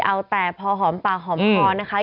เอาแต่พอหอมปากหอมคอนะคะ